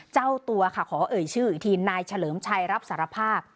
เจ้าตัวค่ะขอเอ่ยชื่ออีกทีนายเฉลิมชัยรับสารภาพ